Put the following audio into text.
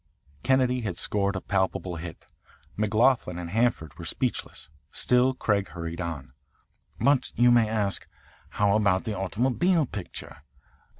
Kennedy had scored a palpable hit. McLaughlin and Hanford were speechless. Still Craig hurried on. "But, you may ask, how about the automobile picture?